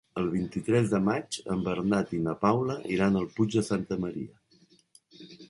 El vint-i-tres de maig en Bernat i na Paula iran al Puig de Santa Maria.